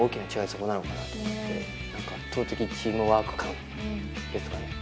そこなのかなと思って何か圧倒的チームワーク感ですかね